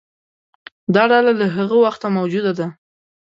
دا ډله له هغه وخته موجوده ده.